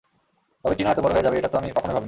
তবে টিনা এত বড় হয়ে যাবে, এটাতো আমি কখনই ভাবিনি।